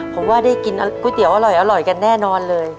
ผมว่าได้กินก๋วยเตี๋ยวอร่อยกันแน่นอนเลย